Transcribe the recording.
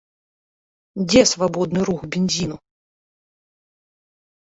Дзе свабодны рух бензіну?